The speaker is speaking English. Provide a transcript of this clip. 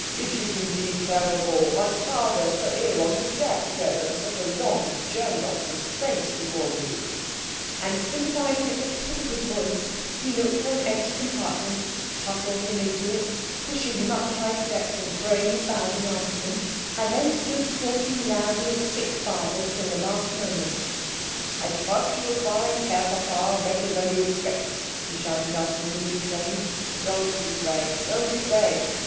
"It is indeed terrible one's father so ill on his death bed and such a long journey of suspense before you " And sympathising at the top of his voice he looked for an empty compartment, hustled him into it, pushing him up the high steps and throwing his bag in after him, and then stood talking loudly of sick fathers till the last moment. "I trust you will find the Herr Papa better than you expect," he shouted after the moving train. "Don't give way don't give way.